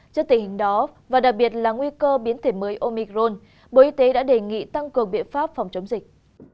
trước tình hình đó và đặc biệt là nguy cơ biến thể mới omicron bộ y tế đã đề nghị tăng cường biện pháp phòng chống dịch